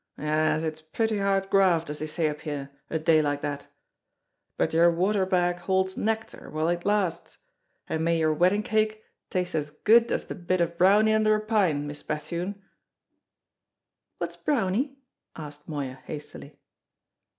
Yes, it's pretty hard graft, as they say up here, a day like that; but your water bag holds nectar, while it lasts; and may your wedding cake taste as good as the bit of browny under a pine, Miss Bethune!" "What's browny?" asked Moya hastily.